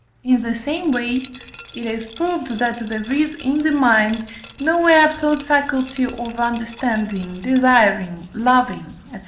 In the same way it is proved, that there is in the mind no absolute faculty of understanding, desiring, loving, &c.